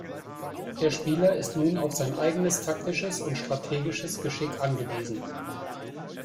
Der Spieler ist nun auf sein eigenes taktisches und strategisches Geschick angewiesen.